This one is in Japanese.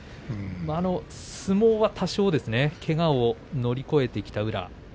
相撲は多少けがを乗り越えてきた宇良です。